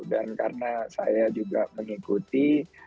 dan karena saya juga mengikuti